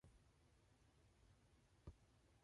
He was the brother of professional golfer Gary Player.